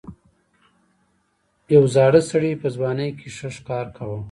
یو زاړه سړي په ځوانۍ کې ښه ښکار کاوه.